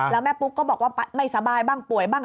แล้วแม่ปุ๊กก็บอกว่าไม่สบายบ้างป่วยบ้าง